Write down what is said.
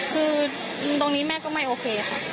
คือตรงนี้แม่ก็ไม่โอเคค่ะ